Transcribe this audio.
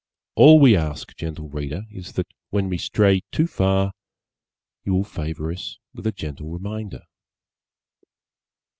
All we ask, Gentle Reader, is that when we stray too far you will favour us with a gentle reminder.